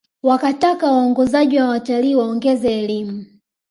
Wakataka waongozaji wa watalii waongezewe elimu